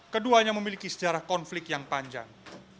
keduanya memiliki sejarah konflik yang panjang